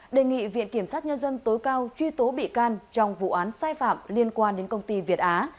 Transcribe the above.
đề nghị viện kiểm sát nhân dân tối cao truy tố bị can trong vụ án sai phạm liên quan đến công ty việt á